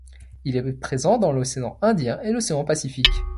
Il est présent dans l'océan Indien et l'océan Pacifique.